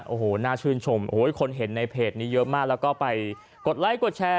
โอ้โหน่าชื่นชมโอ้โหคนเห็นในเพจนี้เยอะมากแล้วก็ไปกดไลค์กดแชร์